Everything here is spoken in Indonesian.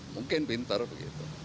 mungkin pinter begitu